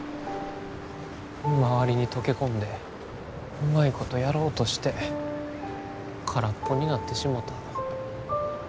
周りに溶け込んでうまいことやろうとして空っぽになってしもた。